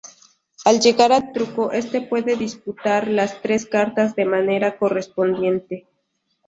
Al llegar al truco este puede disputar las tres cartas de manera correspondiente.